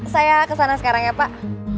saya kesana sekarang ya pak